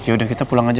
ya udah kita pulang aja